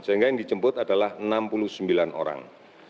sehingga yang dijemput adalah enam puluh sembilan orang